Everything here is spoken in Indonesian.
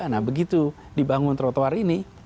nah begitu dibangun trotoar ini